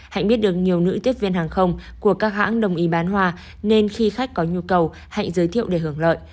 hạnh biết được nhiều nữ tiếp viên hàng không của các hãng đồng ý bán hoa nên khi khách có nhu cầu hãy giới thiệu để hưởng lợi